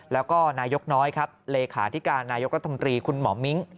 แล้วก็นายกน้อยครับเลขาธิการนายกรัฐมนตรีคุณหมอมิ้ง